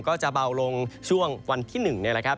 ก็จะเบาลงช่วงวันที่๑นี่แหละครับ